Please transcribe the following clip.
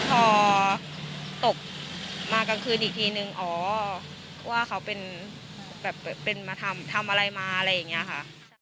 พอตกมากลางคืนอีกทีนึงอ๋อว่าเขาเป็นแบบเป็นมาทำอะไรมาอะไรอย่างนี้ค่ะ